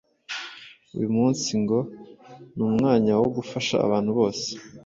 uyu Umunsi ngo ni umwanya wo gufasha abantu bose